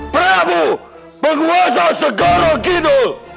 perabu penguasa segoro gitu